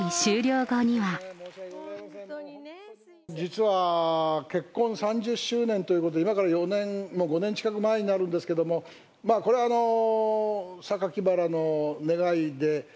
実は、結婚３０周年ということで、今から４年、もう５年近く前になるんですけれども、まあこれは榊原の願いで。